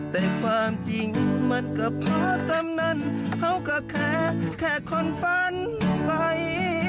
แต่ความจริงมันก็พอซ้ำนั้นเขาก็แค่แค่คนฝันไป